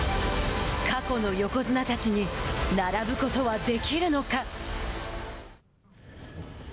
過去の横綱たちに並ぶことはできるのか。